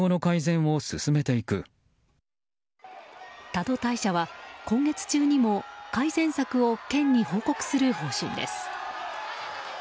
多度大社は今月中にも改善案を県に報告する方針です。